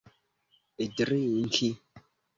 drinki